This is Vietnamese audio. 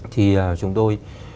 thì chúng tôi